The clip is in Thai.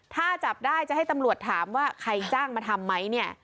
ถ้าจับได้จะให้ตำรวจถามว่าใครจ้างมาทำไหมเนี่ย